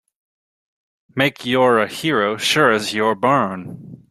Make you're a hero sure as you're born!